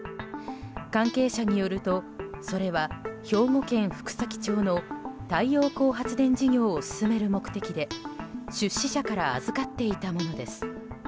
関係者によるとそれは兵庫県福崎町の太陽光発電事業を進める目的で出資者から預かっていたものです。